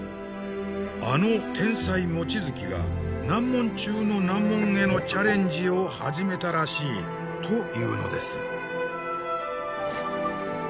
あの天才望月が難問中の難問へのチャレンジを始めたらしいというのです。